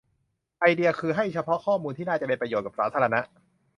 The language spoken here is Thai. ไอเดียคือให้เฉพาะข้อมูลที่น่าจะเป็นประโยชน์กับสาธารณะ